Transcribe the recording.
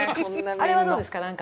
あれはどうですか？